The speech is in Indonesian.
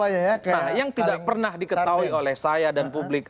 nah yang tidak pernah diketahui oleh saya dan publik